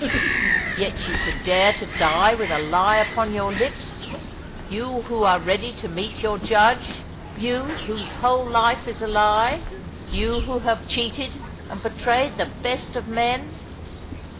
" Yet you could dare to die with a lie upon your lips — you who are ready to meet your Judge — you whose whole life is a lie — you who have cheated and betrayed the best of men.